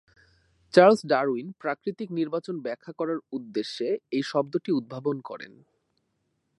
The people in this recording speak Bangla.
চার্লস ডারউইন প্রাকৃতিক নির্বাচন ব্যাখ্যা করার উদ্দেশ্যে এই শব্দটি উদ্ভাবন করেন।